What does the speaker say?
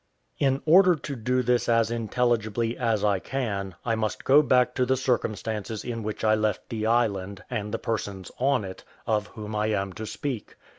In order to do this as intelligibly as I can, I must go back to the circumstances in which I left the island, and the persons on it, of whom I am to speak.